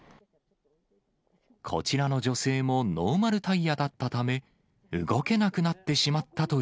こちらの女性もノーマルタイヤだったため、動けなくなってしまっ車